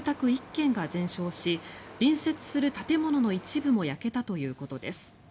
１軒が全焼し隣接する建物の一部も焼けたということです。